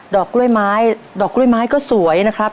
อกกล้วยไม้ดอกกล้วยไม้ก็สวยนะครับ